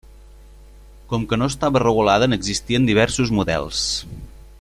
Com que no estava regulada n'existien diversos models.